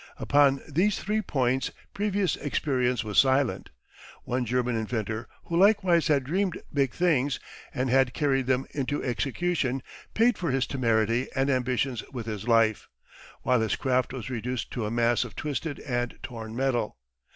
Upon these three points previous experience was silent. One German inventor who likewise had dreamed big things, and had carried them into execution, paid for his temerity and ambitions with his life, while his craft was reduced to a mass of twisted and torn metal.